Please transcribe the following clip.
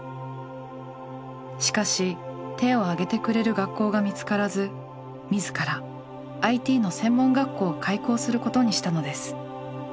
しかし手を挙げてくれる学校が見つからず自らＩＴの専門学校を開校することにしたのです。